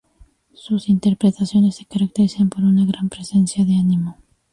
Sus interpretaciones se caracterizan por una gran presencia de ánimo.